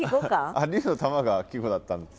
あっ「竜の玉」が季語だったんだ。